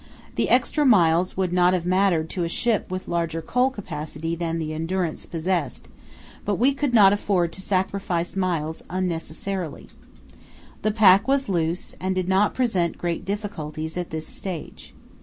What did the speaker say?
The extra miles would not have mattered to a ship with larger coal capacity than the Endurance possessed, but we could not afford to sacrifice miles unnecessarily. The pack was loose and did not present great difficulties at this stage.